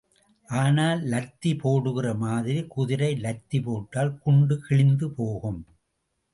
ஆனை லத்தி போடுகிற மாதிரி குதிரை லத்தி போட்டால் குண்டி கிழிந்து போகும்.